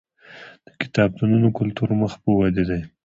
د کتابتونونو کلتور مخ په ودې دی.